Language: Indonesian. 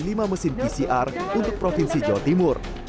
lima mesin pcr untuk provinsi jawa timur